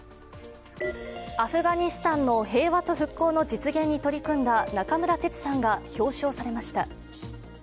アフガニスタンの平和と復興の実現に取り組んだ中村哲さんが表彰されました。